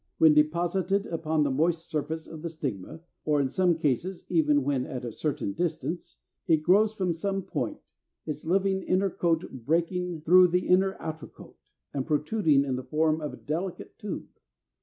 When deposited upon the moist surface of the stigma (or in some cases even when at a certain distance) it grows from some point, its living inner coat breaking through the inert outer coat, and protruding in the form of a delicate tube.